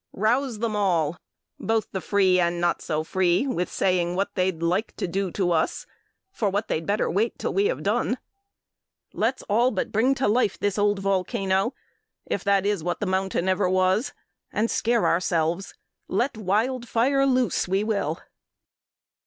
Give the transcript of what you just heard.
Rouse them all, both the free and not so free With saying what they'd like to do to us For what they'd better wait till we have done. Let's all but bring to life this old volcano, If that is what the mountain ever was And scare ourselves. Let wild fire loose we will...."